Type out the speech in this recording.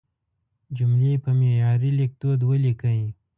جملې په معیاري لیکدود ولیکئ.